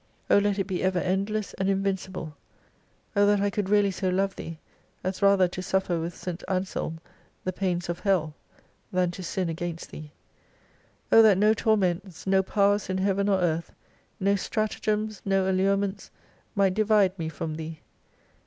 O let it be ever endless and invincible ! O that I could really so love Thee, as rather to suffer with St. Anselm the pains of Hell than to sin against Thee. O that no torments, no powers in heaven or earth, no stratagems, no allurements might divide me from Thee.